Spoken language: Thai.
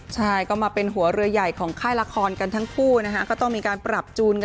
ใช่ก็มาเป็นหัวเรือใหญ่ของค่ายละครกันทั้งคู่นะฮะ